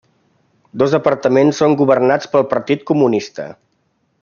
Dos departaments són governats pel Partit Comunista.